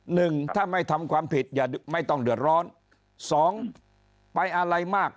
หนึ่งถ้าไม่ทำความผิดอย่าไม่ต้องเดือดร้อนสองไปอะไรมาก